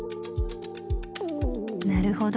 なるほど。